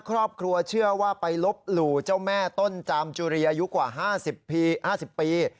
ครอบครัวเชื่อว่าไปลบหลู่เจ้าแม่ต้นจามจุรีอายุกว่า๕๐ปี